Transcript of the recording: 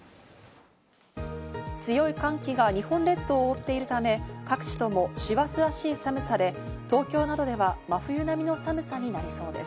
強い寒気が日本列島を覆っているため、各地とも師走らしい寒さで東京などでは真冬並みの寒さになりそうです。